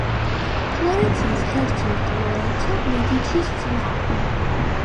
ფლორენციის ჰერცოგ ლორენცო მედიჩის ძმა.